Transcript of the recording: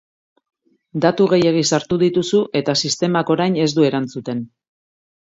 Datu gehiegi sartu dituzu eta sistemak orain ez du erantzuten.